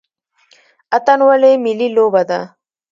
اتن ولې ملي لوبه ده؟